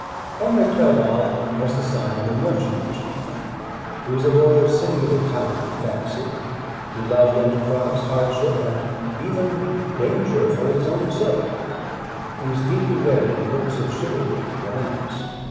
Henry Clerval was the son of a merchant of Geneva. He was a boy of singular talent and fancy. He loved enterprise, hardship, and even danger, for its own sake. He was deeply read in books of chivalry and romance.